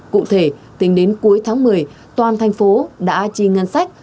cụ thể tính đến cuối tháng một mươi toàn thành phố đã chi ngân sách